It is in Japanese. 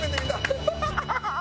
ハハハハ！